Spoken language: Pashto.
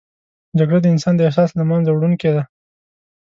جګړه د انسان د احساس له منځه وړونکې ده